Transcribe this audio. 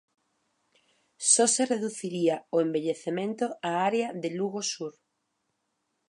Só se reduciría o envellecemento a área de Lugo sur.